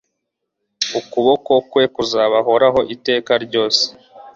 ukuboko kwe kuzabahoraho iteka ryose